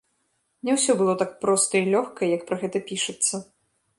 Не ўсё было так проста і лёгка, як пра гэта пішацца.